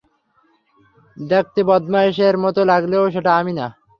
দেখতে বদমাইশ এর মতো লাগলেও সেটা আমি না।